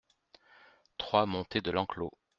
trois montée de l'Enclos